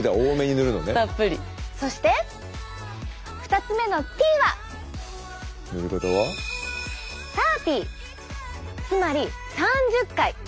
そして２つ目のＴはＴｈｉｒｔｙつまり３０回！